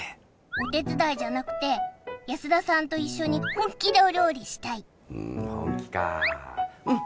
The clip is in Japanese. お手伝いじゃなくて安田さんと一緒に本気でお料理したいうん本気かうん！